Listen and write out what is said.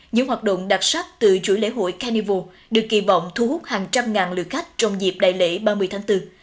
những hoạt động đặc sắc từ chuỗi lễ hội carnival được kỳ vọng thu hút hàng trăm ngàn lượt khách trong dịp đại lễ ba mươi tháng bốn